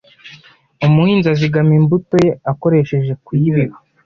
Umuhinzi azigama imbuto ye akoresheje kuyibiba